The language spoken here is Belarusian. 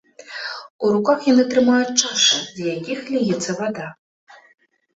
У руках яны трымаюць чашы, з якіх ліецца вада.